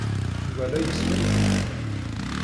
Yuba la yessway tebḥirt.